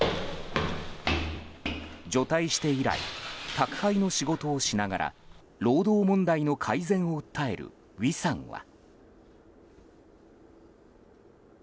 除隊して以来宅配の仕事をしながら労働問題の改善を訴えるウィさんは。